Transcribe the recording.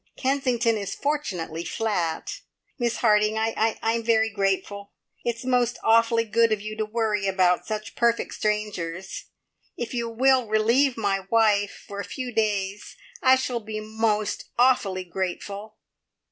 Kensington is fortunately flat. Miss Harding, I I am very grateful. It's most awfully good of you to worry about such perfect strangers. If you will relieve my wife for a few days, I shall be most awfully grateful!"